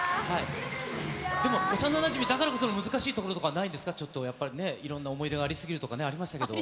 でも幼なじみだからこその難しいところとかはないんですか、ちょっとやっぱりね、いろんな思い出がありすぎるとかね、ありましたけど。